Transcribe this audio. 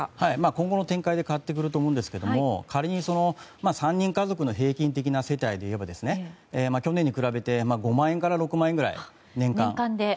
今後の展開で変わってくると思うんですけど仮に、３人家族の平均的な世帯でいえば去年に比べて５万円から６万円くらい年間で。